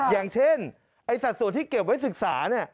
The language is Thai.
อย่างเช่นไอ้สัดส่วนที่เก็บไว้ศึกษาเนี่ย